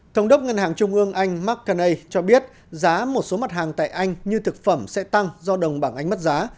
thống đốc ngân hàng trung ương anh mccanae cho biết giá một số mặt hàng tại anh như thực phẩm sẽ tăng do đồng bảng anh mất giá